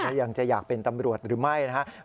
ยังจะอยากเป็นตำรวจหรือไม่นะครับ